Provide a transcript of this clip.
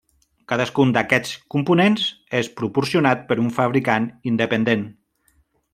Cadascun d'aquests components és proporcionat per un fabricant independent.